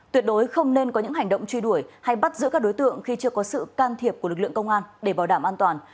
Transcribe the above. tuyệt đối không nên có những hành động truy đuổi hay bắt giữ các đối tượng khi chưa có sự can thiệp của lực lượng công an để bảo đảm an toàn